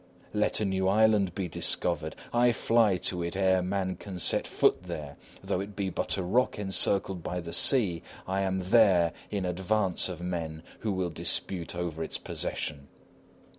Let a new island be discovered, I fly to it ere man can set foot there; though it be but a rock encircled by the sea, I am there in advance of men who will dispute for its possession.